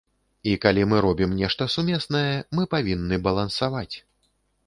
І калі мы робім нешта сумеснае, мы павінны балансаваць.